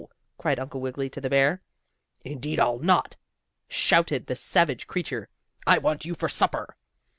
cried Uncle Wiggily to the bear. "Indeed I'll not!" shouted the savage creature. "I want you for supper."